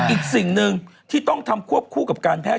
อีกสิ่งหนึ่งที่ต้องทำควบคู่กับการแพท